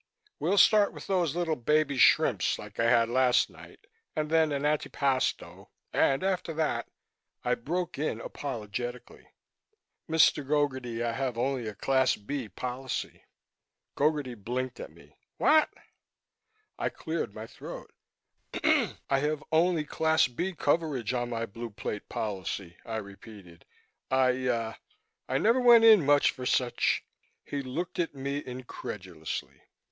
We'll start with those little baby shrimps like I had last night, and then an antipasto and after that " I broke in apologetically, "Mr. Gogarty, I have only a Class B policy." Gogarty blinked at me. "What?" I cleared my throat. "I have only Class B coverage on my Blue Plate policy," I repeated. "I, uh, I never went in much for such " He looked at me incredulously.